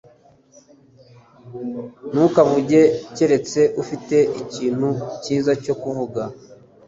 Ntukavuge keretse ufite ikintu cyiza cyo kuvuga.